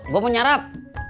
gue mau nyarap